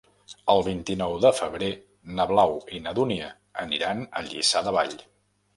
El vint-i-nou de febrer na Blau i na Dúnia aniran a Lliçà de Vall.